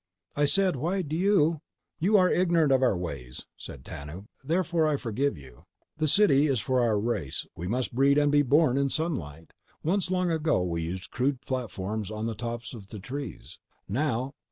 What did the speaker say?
"I said: Why do you—" "You are ignorant of our ways," said Tanub. "Therefore, I forgive you. The city is for our race. We must breed and be born in sunlight. Once—long ago—we used crude platforms on the tops of the trees. Now